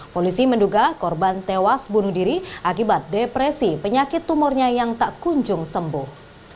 polisi menduga korban tewas bunuh diri akibat depresi penyakit tumornya yang tak kunjung sembuh